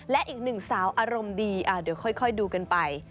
และอีกหนึ่งสาวอารมณ์ดีเดี๋ยวค่อยดูกันไป